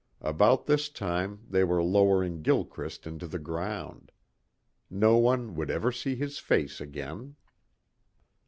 About this time they were lowering Gilchrist into the ground. No one would ever see his face again.